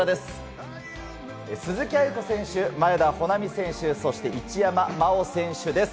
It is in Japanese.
鈴木亜由子選手、前田穂南選手、そして一山麻緒選手です。